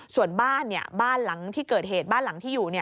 ส่วนบ้านบ้านหลังที่เกิดเหตุบ้านหลังที่อยู่